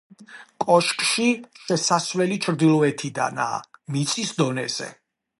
კოშკში შესასვლელი ჩრდილოეთიდანაა, მიწის დონეზე.